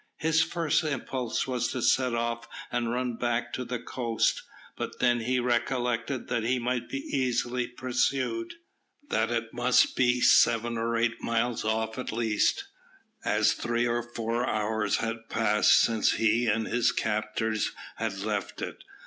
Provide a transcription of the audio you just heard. His first impulse was to set off and run back to the coast, but then he recollected that he might be easily pursued, that it must be seven or eight miles off at least, as three or four hours had passed since he and his captors had left it.